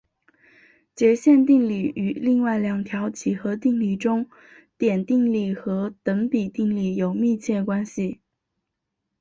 截线定理与另外两条几何定理中点定理和等比定理有密切关系。